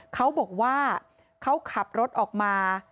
เขาบอกว่าเขาขับรถออกมา